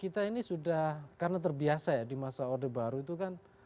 kita ini sudah karena terbiasa ya di masa orde baru itu kan